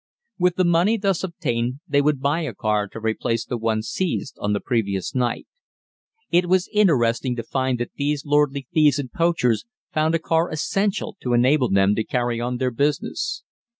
With the money thus obtained they would buy a car to replace the one seized on the previous night; it was interesting to find that these lordly thieves and poachers found a car essential to enable them to carry on their business.